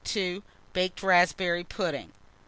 Baked raspberry pudding.